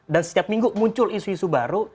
dan setiap minggu muncul isu isu baru